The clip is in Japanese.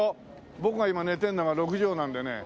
僕が今寝てるのが六畳なんでね。